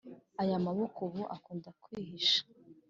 aya maboko ubu akunda kwihisha,